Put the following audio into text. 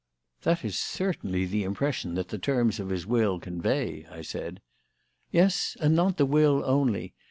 "That is certainly the impression that the terms of his will convey," I said. "Yes; and not the will only.